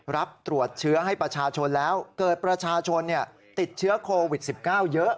รับตรวจเชื้อให้ประชาชนแล้วเกิดประชาชนติดเชื้อโควิด๑๙เยอะ